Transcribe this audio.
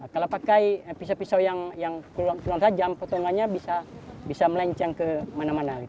kalau pakai pisau pisau yang kurang rajam potongannya bisa melenceng ke mana mana